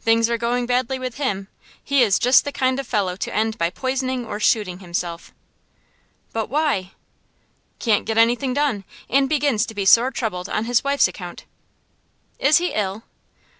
'Things are going badly with him. He is just the kind of fellow to end by poisoning or shooting himself.' 'But why?' 'Can't get anything done; and begins to be sore troubled on his wife's account.' 'Is he ill?